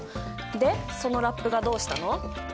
でそのラップがどうしたの？